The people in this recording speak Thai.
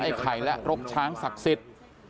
ไข่และรกช้างศักดิ์สิทธิ์